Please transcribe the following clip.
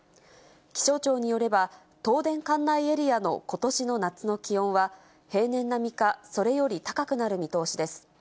気象庁によれば、東電管内エリアのことしの夏の気温は、平年並みか、それより高くなる見通しです。